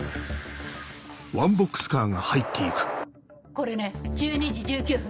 これね１２時１９分。